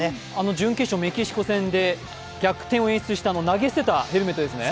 準決勝メキシコ戦で逆転をしたときの投げ捨てたヘルメットですね？